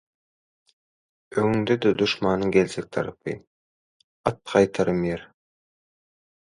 Öňüňde-de duşmanyň geljek tarapy – at gaýtarym ýer.